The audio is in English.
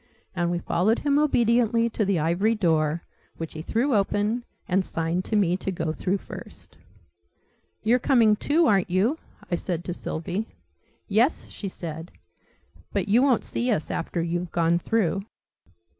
And we followed him obediently to the Ivory Door, which he threw open, and signed to me to go through first. "You're coming too, aren't you?" I said to Sylvie. "Yes," she said: "but you won't see us after you've gone through."